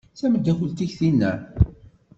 D tameddakelt-ik tinna?